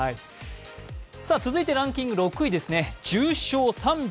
続いて、ランキング６位ですね。